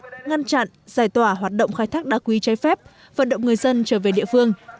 trong trận giải tỏa hoạt động khai thác đã quy cháy phép vận động người dân trở về địa phương